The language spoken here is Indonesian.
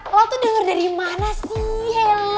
lo tuh denger dari mana sih hel